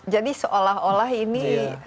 jadi seolah olah ini